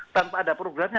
tanpa ada programnya